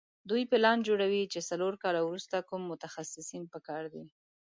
دوی پلان جوړوي چې څلور کاله وروسته کوم متخصصین په کار دي.